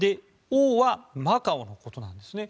「澳」はマカオのことなんですね。